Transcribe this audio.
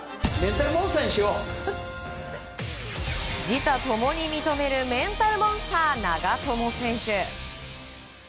自他共に認めるメンタルモンスター長友選手。